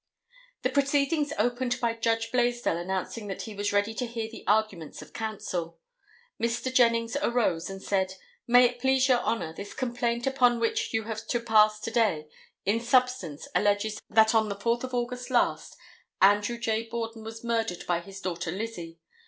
The proceedings opened by Judge Blaisdell announcing that he was ready to hear the arguments of counsel. Mr. Jennings arose and said: "May it please Your Honor, this complaint upon which you have to pass to day, in substance, alleges that on the 4th of August last Andrew J. Borden was murdered by his daughter Lizzie.